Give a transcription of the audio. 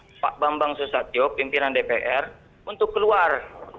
untuk pak bambang susatyo pimpinan dpr untuk keluar